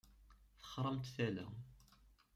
Texṛamt tala.